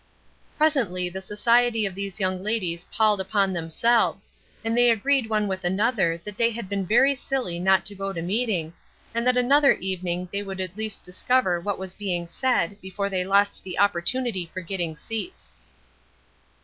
Presently the society of these young ladies palled upon themselves, and they agreed one with another that they had been very silly not to go to meeting, and that another evening they would at least discover what was being said before they lost the opportunity for getting seats.